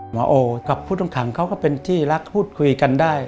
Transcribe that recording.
โอกับผู้ต้องขังเขาก็เป็นที่รักพูดคุยกันได้